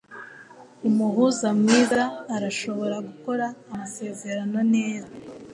Umuhuza mwiza arashobora gukora amasezerano neza